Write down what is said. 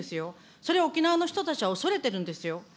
それを沖縄の人たちは恐れてるんですよ。